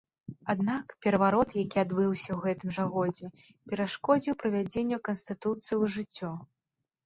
Аднак, пераварот, які адбыўся ў гэтым жа годзе, перашкодзіў правядзенню канстытуцыі ў жыццё.